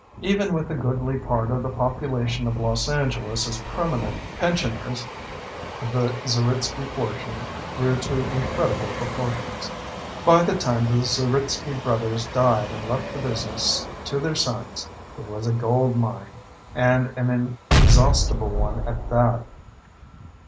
Even with a goodly part of the population of Los Angeles as permanent pensioners, the Zeritsky fortune grew to incredible proportions. By the time the Zeritsky Brothers died and left the business to their sons, it was a gold mine, and an inexhaustible one at that.